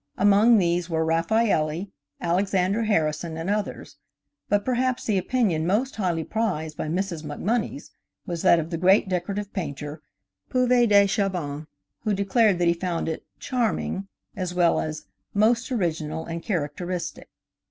Among these were Rafaelli, Alexander Harrison and others, but perhaps the opinion most highly prized by Mrs. MacMonnies was that of the great decorative painter, Puvis de Chavannes, who declared that he found it "charming" as well as "most original and characteristic."